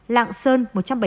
lạng sơn một trăm tám mươi bảy